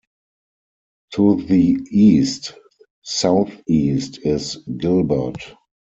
To the east-southeast is Gilbert.